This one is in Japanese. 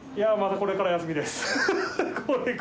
これから休みです。